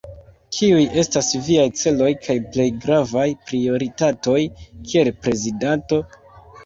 Kiuj estas viaj celoj kaj plej gravaj prioritatoj kiel prezidanto?